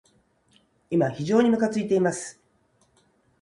今、非常にむかついています。